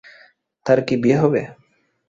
তার কি বিয়ে হবে?